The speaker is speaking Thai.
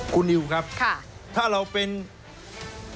คุณนิวครับถ้าเราเป็นค่ะ